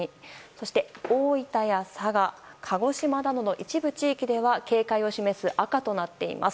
そして、大分や佐賀鹿児島などの一部地域では警戒を示す赤となっています。